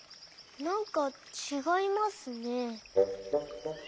なんかちがいますね。